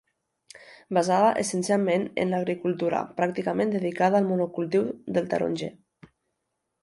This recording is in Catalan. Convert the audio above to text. Basada essencialment en l'agricultura, pràcticament dedicada al monocultiu del taronger.